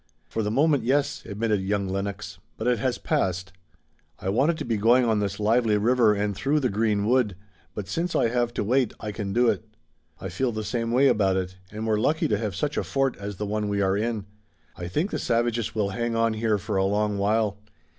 "For the moment, yes," admitted young Lennox, "but it has passed. I wanted to be going on this lively river and through the green wood, but since I have to wait I can do it." "I feel the same way about it, and we're lucky to have such a fort as the one we are in. I think the savages will hang on here for a long while.